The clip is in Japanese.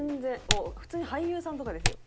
もう普通に俳優さんとかですよ。